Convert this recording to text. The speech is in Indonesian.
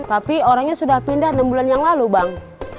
tapi orangnya sudah pindah enam bulan yang lalu bang